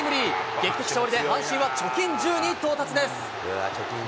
劇的勝利で阪神は貯金１０に到達です。